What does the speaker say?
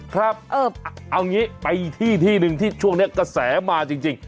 เอาอย่างนี้ไปที่หนึ่งที่ช่วงนี้กระแสมาจริง